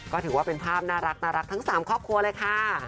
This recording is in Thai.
ก็ถือว่าเป็นภาพน่ารักทั้ง๓ครอบครัวเลยค่ะ